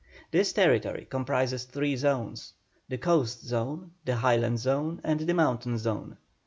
This territory comprises three zones; the coast zone, the highland zone, and the mountain zone.